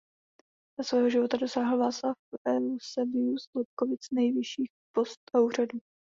Za svého života dosáhl Václav Eusebius z Lobkovic nejvyšších poct a úřadů.